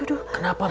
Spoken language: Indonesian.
aku nggak tau beb